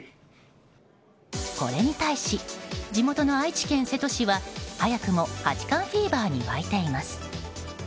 これに対し地元の愛知県瀬戸市は早くも八冠フィーバーに沸いています。